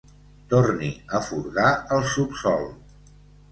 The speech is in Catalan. Torni a furgar el subsòl.